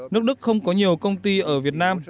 nước đức không có nhiều công ty ở việt nam